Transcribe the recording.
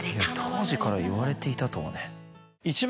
当時から言われていたとはね。